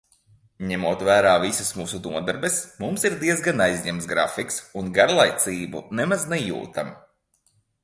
Ņemot vērā visas mūsu nodarbes, mums ir diezgan aizņemts grafiks un garlaicību nemaz nejūtam.